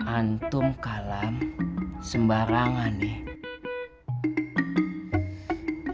antum kalam sembarangan nih